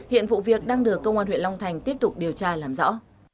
hiện vụ việc đang được công an huyện long thành tiếp tục điều tra làm rõ